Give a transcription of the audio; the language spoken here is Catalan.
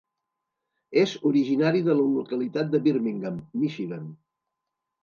És originari de la localitat de Birmingham, Michigan.